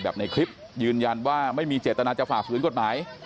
ในคลิปยืนยันว่าไม่มีเจตนาจะฝ่าฝืนกฎหมาย